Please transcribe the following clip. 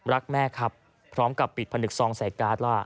รักแม่ครับพร้อมกับปิดผนึกซองใส่การ์ดล่ะ